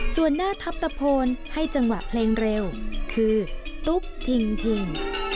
ส่วนหน้าทัพตะโพนให้จังหวะเพลงเร็วคือตุ๊กทิง